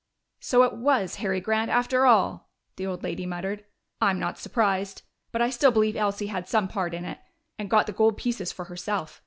"So it was Harry Grant after all!" the old lady muttered. "I'm not surprised. But I still believe Elsie had some part in it and got the gold pieces for herself.